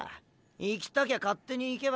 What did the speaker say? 行きたきゃ勝手に行けば。